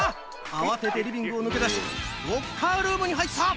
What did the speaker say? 慌ててリビングを抜け出しロッカールームに入った。